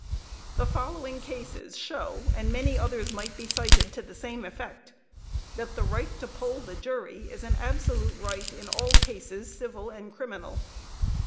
The following cases show, and many others might be cited to the same effect, that the right to poll the jury is an absolute right in all cases, civil and criminal.